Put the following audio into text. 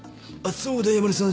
そうだ山根さん